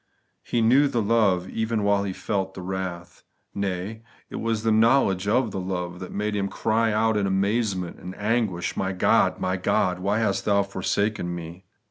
He knew the love, even while He felt the wrath ; nay, it was the knowledge of the love that made Him ciy out in amazement and anguish, ' My God. my God, why hast Thou forsaken me